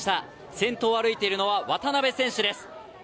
先頭を歩いているのは渡邊選手です。